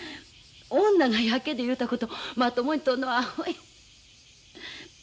女がやけで言うたことまともに取るのはアホや。